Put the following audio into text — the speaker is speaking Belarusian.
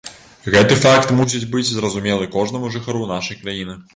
Гэты факт мусіць быць зразумелы кожнаму жыхару нашай краіны.